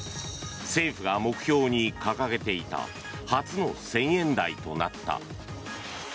政府が目標に掲げていた初の１０００円台となった。